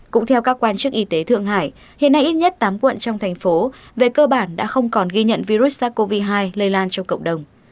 cũng theo các quan chức y tế thượng hải hiện nay ít nhất tám quận trong thành phố về cơ bản đã không còn ghi nhận virus sars cov hai lây lan trong cộng đồng